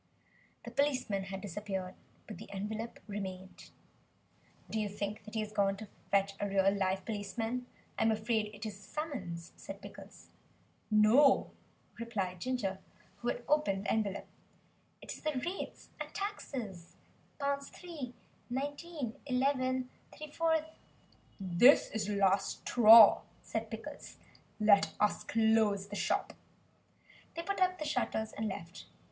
The policeman had disappeared. But the envelope remained. "Do you think that he has gone to fetch a real live policeman? I am afraid it is a summons," said Pickles. "No," replied Ginger, who had opened the envelope, "it is the rates and taxes, £3 19 11 3/4." "This is the last straw," said Pickles, "let us close the shop." They put up the shutters, and left.